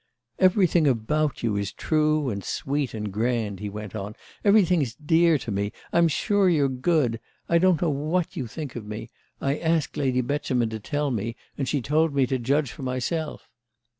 "Everything about you is true and sweet and grand," he went on; "everything's dear to me. I'm sure you're good. I don't know what you think of me; I asked Lady Beauchemin to tell me, and she told me to judge for myself.